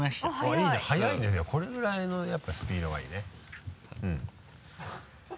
いいね速いねでもこれぐらいのスピードがいいね。